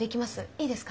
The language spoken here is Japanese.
いいですか？